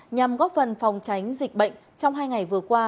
nhằm góp phần phòng tránh dịch bệnh trong hai ngày vừa qua